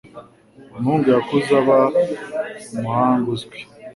Umuhungu yakuze aba umuhanga uzwi.